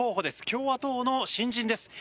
共和党の新人です。